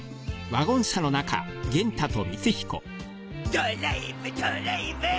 ドライブドライブ！